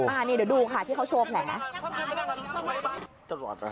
นี่เดี๋ยวดูค่ะที่เค้าโชว์แผล